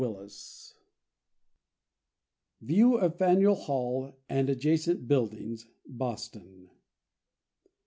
VIEW OF FANEUIL HALL, AND ADJACENT BUILDINGS, BOSTON.